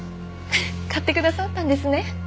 買ってくださったんですね。